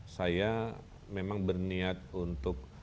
saya memang berniat untuk